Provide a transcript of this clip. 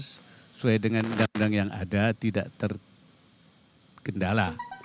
sesuai dengan undang undang yang ada tidak terkendala